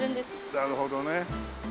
なるほどね。